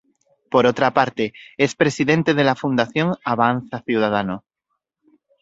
Por otra parte, es Presidente de la fundación Avanza Ciudadano.